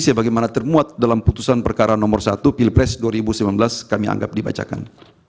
sebagaimana termuat dalam putusan perkara nomor satu pilpres dua ribu sembilan belas kami anggap dibacakan